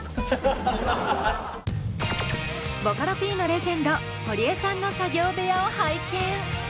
ボカロＰのレジェンド堀江さんの作業部屋を拝見。